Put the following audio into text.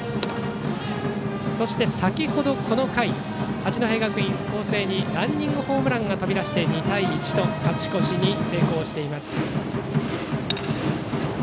そして、先ほどこの回八戸学院光星にランニングホームランが飛び出して２対１と勝ち越しに成功しています。